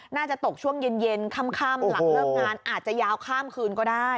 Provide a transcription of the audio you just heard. น่าจะตกช่วงเย็นค่ำหลังเลิกงานอาจจะยาวข้ามคืนก็ได้